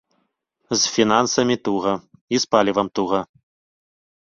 З фінансамі туга і з палівам туга.